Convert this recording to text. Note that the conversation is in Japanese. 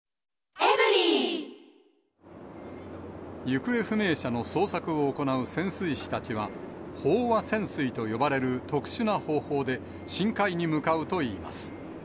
行方不明者の捜索を行う潜水士たちは、飽和潜水と呼ばれる特殊な方法で、深海に向かうといいます。